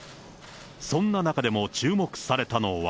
そんな中でも注目されたのは。